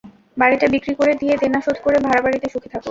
বাড়িটা বিক্রি করে দিয়ে দেনা শোধ করে ভাড়া বাড়িতে সুখে থাকো।